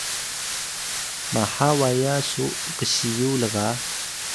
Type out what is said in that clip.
maha waya su ksiyu lga